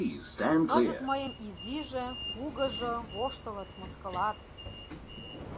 Кызыт мыйым изиже-кугыжо воштылыт, мыскылат.